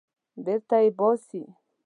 بېرته یې باسي.